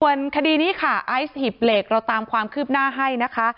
ส่วนคดีนี้ค่ะไอซ์หิบเหล็กเราตามความคืบหน้าให้นะคะ